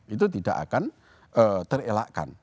itu tidak akan terelakkan